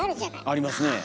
ありますねえ。